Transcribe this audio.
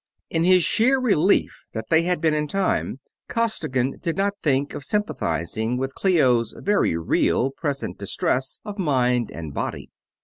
In his sheer relief that they had been in time, Costigan did not think of sympathizing with Clio's very real present distress of mind and body.